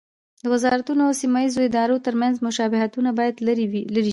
د وزارتونو او سیمه ییزو ادارو ترمنځ مشابهتونه باید لرې شي.